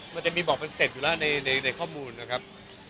มันจะมีบอกเป็นสเต็ปอยู่แล้วในข้อมูลนะครับ